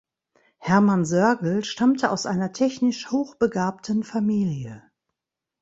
Herman Sörgel stammte aus einer technisch hochbegabten Familie.